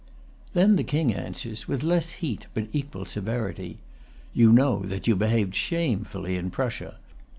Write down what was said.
Then the King answers, with less heat but equal severity: "You know that you behaved shamefully in Prussia.